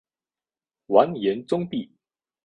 完颜宗弼。